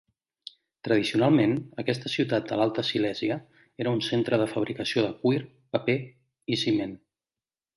Tradicionalment, aquesta ciutat de l'Alta Silèsia era un centre de fabricació de cuir, paper i ciment.